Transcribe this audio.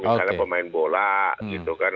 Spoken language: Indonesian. misalnya pemain bola gitu kan